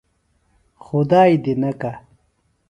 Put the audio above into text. خدائیۡ دی نکہ۔